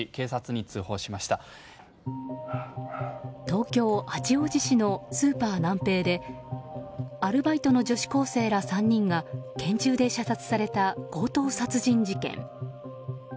東京・八王子市のスーパーナンペイでアルバイトの女子高生ら３人が拳銃で射殺された強盗殺人事件。